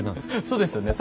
そうですよね。